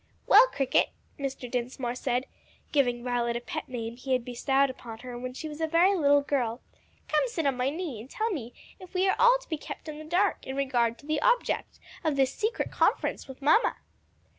"Well, cricket," Mr. Dinsmore said, giving Violet a pet name he had bestowed upon her when she was a very little girl, "come sit on my knee and tell me if we are all to be kept in the dark in regard to the object of this secret conference with mamma?"